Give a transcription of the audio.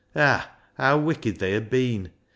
Ah ! how wicked they had been !